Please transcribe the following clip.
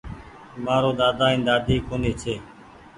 مآرو ۮاۮا ائين ۮاۮي ڪونيٚ ڇي